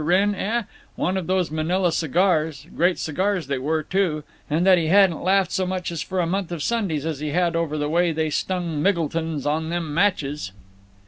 Wrenn, eh?—one of those Manila cigars—great cigars they were, too; and that he hadn't "laughed so much for a month of Sundays as he had over the way they stung Miggleton's on them matches."